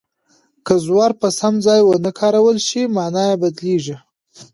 که زور په سم ځای ونه کارول شي مانا بدلیږي.